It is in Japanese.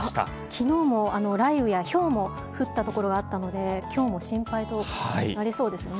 きのうも雷雨やひょうも降った所があったので、きょうも心配となりそうですね。